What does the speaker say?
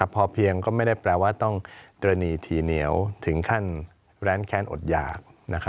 พอเพียงก็ไม่ได้แปลว่าต้องตระนีทีเหนียวถึงขั้นแร้นแค้นอดหยาก